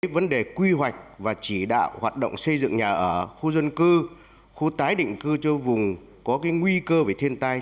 vấn đề quy hoạch và chỉ đạo hoạt động xây dựng nhà ở khu dân cư khu tái định cư cho vùng có nguy cơ về thiên tai